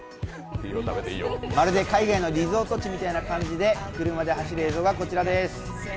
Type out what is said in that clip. まるで海外のリゾート地みたいな感じで車で走れるのがこちらです。